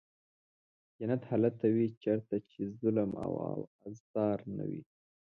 جنت هلته وي چېرته چې ظلم او آزار نه وي.